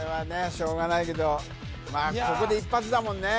しょうがないけどまあここで一発だもんね